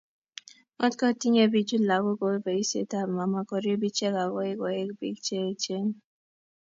Ngotko tinye bichu lagok ko boisietab mama korib ichek agoi koek bik che eechen